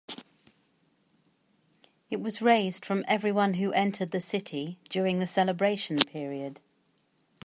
It was raised from everyone who entered the city during the celebration period.